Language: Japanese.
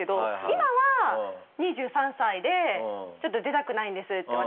今は２３歳で「ちょっと出たくないんです」って。